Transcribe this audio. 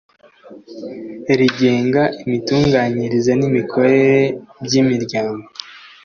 rigenga imitunganyirize n imikorere by imiryango